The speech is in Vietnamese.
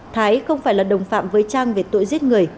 thái không phải là đồng phạm với trang về tội giết người